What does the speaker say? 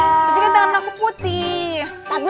ini memandai bingung balance masalah hai